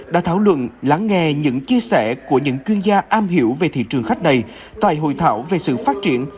đã thảo luận lắng nghe những chia sẻ của những chuyên gia am hiểu về thị trường khách này tại hội thảo về sự phát triển